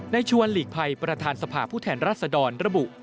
ชวนหลีกภัยประธานสภาผู้แทนรัศดรระบุ